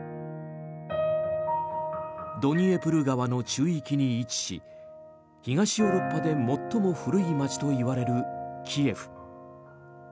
ドニエプル川の中域に位置し東ヨーロッパで最も古い街といわれるキエフ。